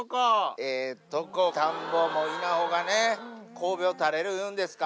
ええとこ、田んぼも稲穂がね、こうべを垂れるいうんですか。